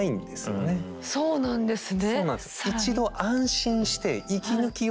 いやそうなんですよね。